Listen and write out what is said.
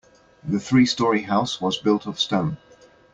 The three story house was built of stone.